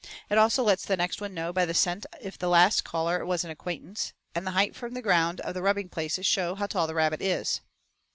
It also lets the next one know by the scent if the last caller was an acquaintance, and the height from the ground of the rubbing places shows how tall the rabbit is.